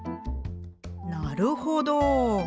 なるほど。